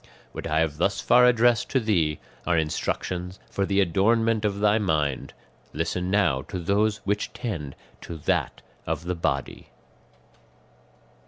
"What I have thus far addressed to thee are instructions for the adornment of thy mind; listen now to those which tend to that of the body."